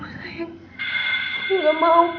aku gak mau